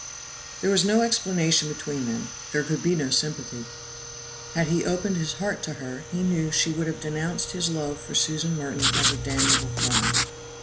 There was no explanation between them, there could be no sympathy; had he opened his heart to her he knew she would have denounced his love for Susan Merton as a damnable crime.